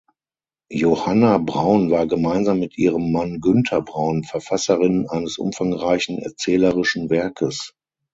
Johanna Braun war gemeinsam mit ihrem Mann Günter Braun Verfasserin eines umfangreichen erzählerischen Werkes.